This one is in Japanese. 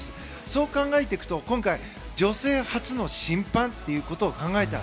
そう考えていくと今回女性初の審判ということを考えた。